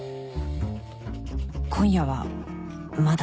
今夜はまだ